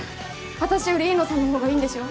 私より飯野さんの方がいいんでしょ。